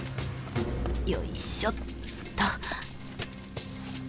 よいしょっと。